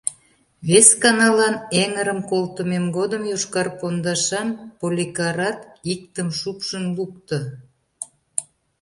Весканалан эҥырым колтымем годым йошкар пондашан Поликарат иктым шупшын лукто.